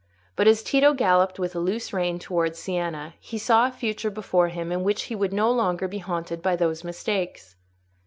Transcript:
But as Tito galloped with a loose rein towards Siena, he saw a future before him in which he would no longer be haunted by those mistakes.